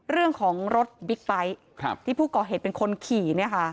เรื่องของรถบิ๊กไบท์ที่ผู้ก่อเหตุเป็นคนขี่